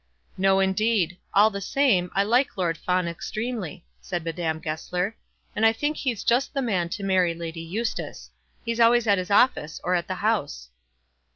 "No, indeed. All the same, I like Lord Fawn extremely," said Madame Goesler, "and I think he's just the man to marry Lady Eustace. He's always at his office or at the House."